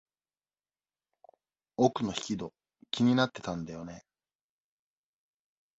奥の引き戸、気になってたんだよね。